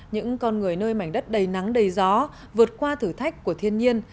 những con người nơi mảnh đất đầy nắng đầy gió vượt qua thử thách của thiên nhiên